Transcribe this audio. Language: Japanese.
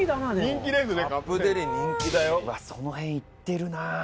その辺いってるな。